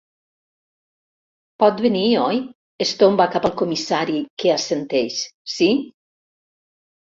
Pot venir, oi? — es tomba cap al comissari, que assenteix— Sí?